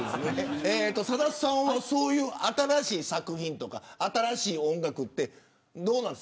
さださんは、そういう新しい作品とか、新しい音楽ってどうなんです。